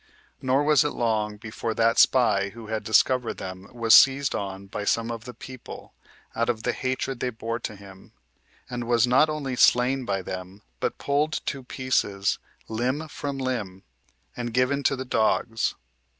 Nor was it long before that spy who had discovered them was seized on by some of the people, out of the hatred they bore to him; and was not only slain by them, but pulled to pieces, limb from limb, and given to the dogs.